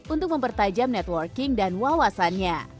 untuk mempertajam networking dan wawasannya